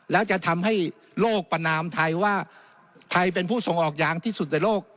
แล้วจะทำให้โลกประนามไทยว่าไทยเป็นผู้ส่งออกยางที่สุดในโลก